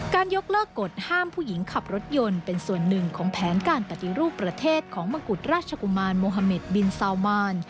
ยกเลิกกฎห้ามผู้หญิงขับรถยนต์เป็นส่วนหนึ่งของแผนการปฏิรูปประเทศของมกุฎราชกุมารโมฮาเมดบินซาวมาน